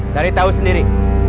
cari tahu sendiri